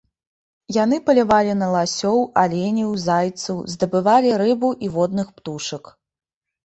Яны палявалі на ласёў, аленяў, зайцоў, здабывалі рыбу і водных птушак.